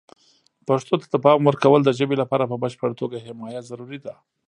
پښتو ته د پام ورکول د ژبې لپاره په بشپړه توګه حمایه ضروري ده.